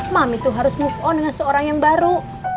mami tuh harus move on dengan seorang yang baru